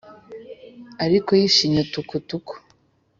ariko y’ishinya tukutuku